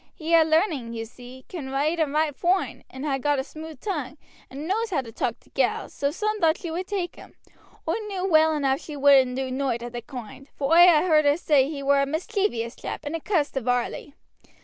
He ha' larning, you see, can read and wroite foine, and ha' got a smooth tongue, and knows how to talk to gals, so some thought she would take him; oi knew well enough she wouldn't do nowt of the koind, for oi ha' heard her say he were a mischievous chap, and a cuss to Varley.